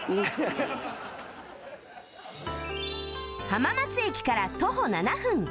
浜松駅から徒歩７分